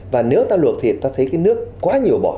và nếu ta luộc thịt ta thấy cái nước quá nhiều bọt